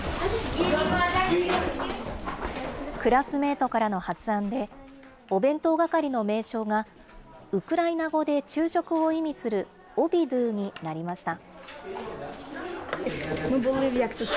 クラスメートからの発案で、お弁当係の名称が、ウクライナ語で昼食を意味する、オビドゥになりました。